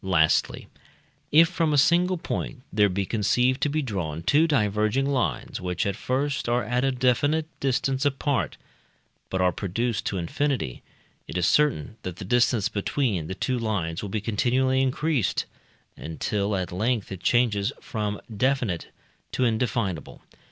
Lastly, if from a single point there be conceived to be drawn two diverging lines which at first are at a definite distance apart, but are produced to infinity, it is certain that the distance between the two lines will be continually increased, until at length it changes from definite to indefinable.